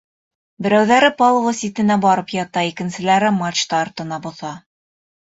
Берәүҙәре палуба ситенә барып ята, икенселәре мачта артына боҫа.